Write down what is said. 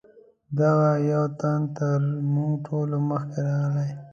دغه یو تن تر موږ ټولو مخکې راغلی.